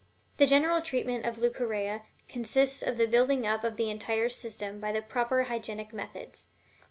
The general treatment of Leucorrhea consists of the building up of the entire system by the proper hygienic methods.